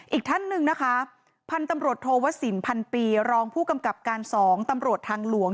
อีกท่านหนึ่งนะคะพันธุ์ตำรวจโทวสินพันปีรองผู้กำกับการ๒ตำรวจทางหลวง